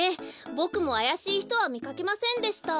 ボクもあやしいひとはみかけませんでした。